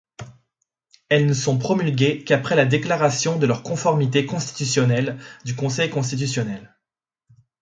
Elles ne sont promulguées qu'après la déclaration de leur conformité constitutionnelle du conseil constitutionnel.